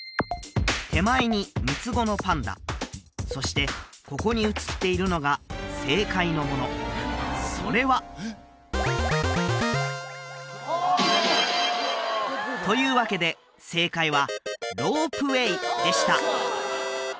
手前に三つ子のパンダそしてここに写っているのが正解のものそれはというわけで正解は「ロープウェイ」でした